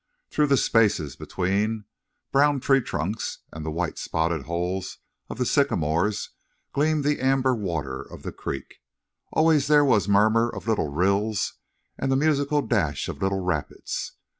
Through the spaces between brown tree trunks and the white spotted holes of the sycamores gleamed the amber water of the creek. Always there was murmur of little rills and the musical dash of little rapids.